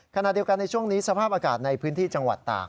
ขณะเดียวกันในช่วงนี้สภาพอากาศในพื้นที่จังหวัดตาก